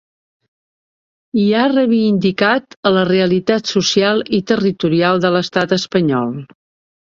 I ha reivindicat la realitat social i territorial de l’estat espanyol.